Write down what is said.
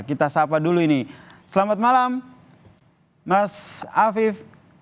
kita sapa dulu ini selamat malam mas afif